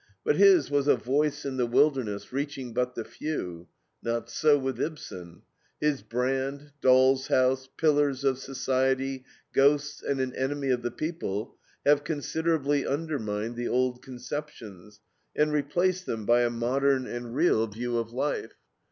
But his was a voice in the wilderness, reaching but the few. Not so with Ibsen. His BRAND, DOLL'S HOUSE, PILLARS OF SOCIETY, GHOSTS, and AN ENEMY OF THE PEOPLE have considerably undermined the old conceptions, and replaced them by a modern and real view of life.